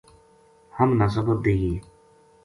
ہم نا صبر دیے